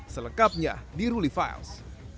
selengkapnya di ruli files